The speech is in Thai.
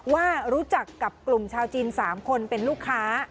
ว่ารู้จักกับกลุ่มชาวจีน๓คนเป็นลูกค้า